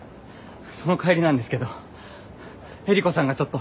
その帰りなんですけどエリコさんがちょっと。